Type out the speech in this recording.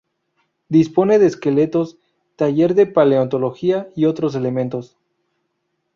Dispone de esqueletos, taller de paleontología, y otros elementos.